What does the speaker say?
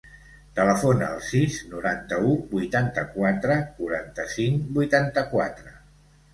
Telefona al sis, noranta-u, vuitanta-quatre, quaranta-cinc, vuitanta-quatre.